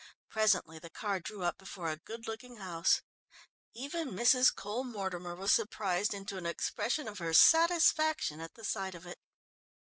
Presently the car drew up before a good looking house (even Mrs. Cole Mortimer was surprised into an expression of her satisfaction at the sight of it).